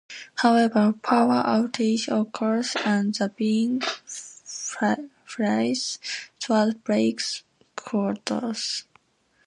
However, a power outage occurs and the being flies towards Blake's quarters.